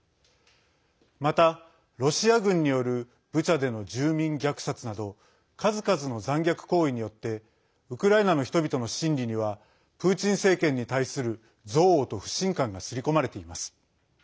また、ロシア軍によるブチャでの住民虐殺など数々の残虐行為によってウクライナの人々の心理にはプーチン政権に対する憎悪と不信感が刷り込まれています。